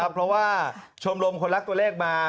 เพราะว่าชมรมคนรักตัวเลขมา